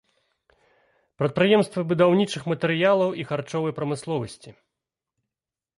Прадпрыемствы будаўнічых матэрыялаў і харчовай прамысловасці.